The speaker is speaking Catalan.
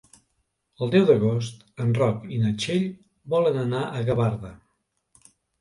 El deu d'agost en Roc i na Txell volen anar a Gavarda.